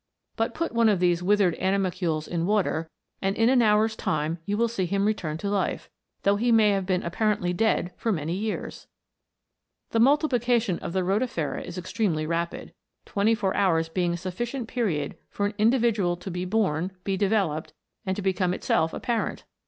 But put one of these withered animal cules in water, and in an hour's time you will see him return to life, though he may have been appa rently dead for many years ! The multiplication of the rotifera is extremely rapid, twenty four hours being a sufficient period for an individual to be born, be developed, and to become itself a parent